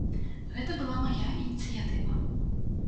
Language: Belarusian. Гэта была мая ініцыятыва.